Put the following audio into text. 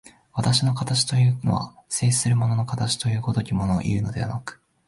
私の形というのは、静止する物の形という如きものをいうのでなく、